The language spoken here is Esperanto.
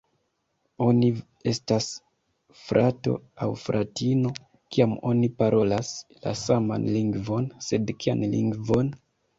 Oni estas frato aŭ fratino, kiam oni parolas la saman lingvon, sed kian lingvon?